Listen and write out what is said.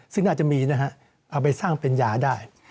ซึ่งน่าจะมีนะฮะเอาไปสร้างเป็นยาได้